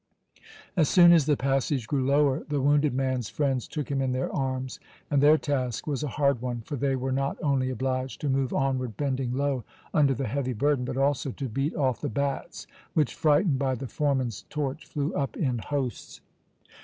As soon as the passage grew lower, the wounded man's friends took him in their arms, and their task was a hard one, for they were not only obliged to move onward bending low under the heavy burden, but also to beat off the bats which, frightened by the foreman's torch, flew up in hosts.